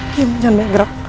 diam jangan bergerak